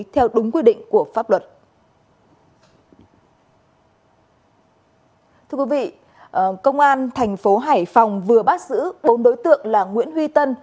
thưa quý vị công an thành phố hải phòng vừa bắt giữ bốn đối tượng là nguyễn huy tân